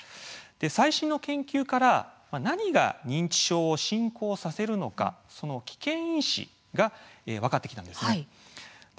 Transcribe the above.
最新の研究から何が認知症を進行させるのかその危険因子が分かってきたんです。